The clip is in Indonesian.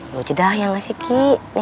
lho jedah ya ngga sih ki